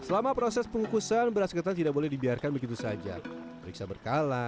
selama proses pengukusan beras ketan tidak boleh dibiarkan begitu saja periksa berkala